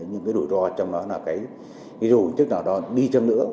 nhưng cái rủi ro trong đó là cái ví dụ trước nào đó đi chăng nữa